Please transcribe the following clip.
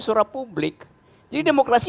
suara publik jadi demokrasi